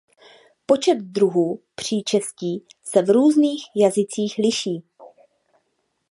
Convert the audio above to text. Počet druhů příčestí se v různých jazycích liší.